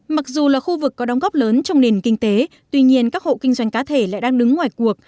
mặc dù là khu vực có đóng góp lớn trong nền kinh tế tuy nhiên các hộ kinh doanh cá thể lại đang đứng ngoài cuộc